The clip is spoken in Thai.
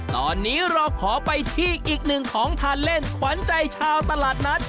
ตอนนี้เราขอไปที่อีกหนึ่งของทานเล่นขวัญใจชาวตลาดนัด